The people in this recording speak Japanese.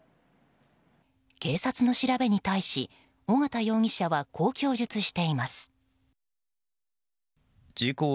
警察の取り調べに対し緒方容疑者はこう供述しています。